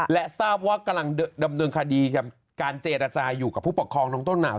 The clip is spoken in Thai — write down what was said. และทราบว่ากำลังดำเนินคดีกับการเจรจาอยู่กับผู้ปกครองน้องต้นหนาว